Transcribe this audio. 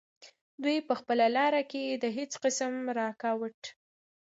دوي پۀ خپله لاره کښې د هيڅ قسم رکاوټ